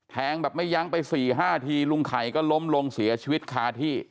แบบไม่ยั้งไป๔๕ทีลุงไข่ก็ล้มลงเสียชีวิตคาที่